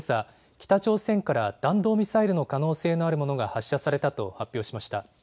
北朝鮮から弾道ミサイルの可能性のあるものが発射されたと発表しました。